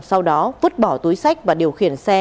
sau đó vứt bỏ túi sách và điều khiển xe